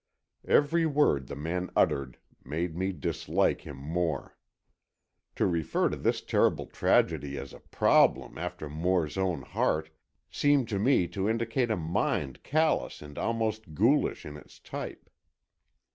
Every word the man uttered made me dislike him more. To refer to this terrible tragedy as a problem after Moore's own heart seemed to me to indicate a mind callous and almost ghoulish in its type.